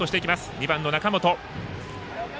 ２番の中本。